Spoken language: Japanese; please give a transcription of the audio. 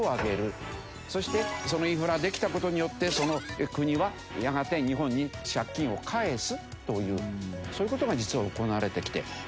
そしてそのインフラができた事によってその国はやがて日本に借金を返すというそういう事が実は行われてきて。